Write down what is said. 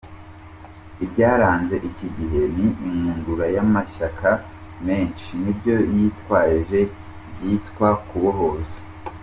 Ibyaranze iki gihe ni inkundura y’amashyaka menshi n’ibyo yitwaje byitwa kubohoza.